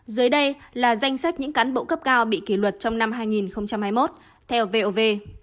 dưới đây là danh sách những cán bộ cấp cao bị kỷ luật trong năm hai nghìn hai mươi một theo vov